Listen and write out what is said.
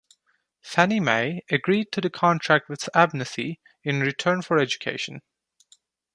Fannie Mae agreed to the contract with Abnethe in return for education.